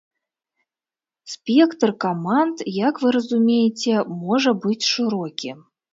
Спектр каманд, як вы разумееце, можа быць шырокі.